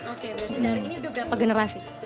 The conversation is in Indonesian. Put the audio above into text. oke berarti dari ini udah berapa generasi